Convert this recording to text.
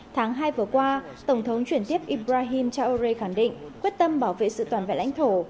tháng hai vừa qua tổng thống chuyển tiếp ibrahim chaure khẳng định quyết tâm bảo vệ sự toàn vẹn lãnh thổ